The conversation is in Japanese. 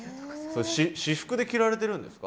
私服で着られてるんですか？